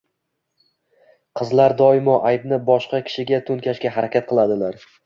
Qizlar doimo aybni boshqa kishiga to‘nkashga harakat qiladilar.